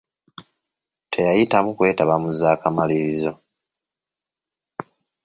Teyayitamu kwetaba mu zaakamalirizo.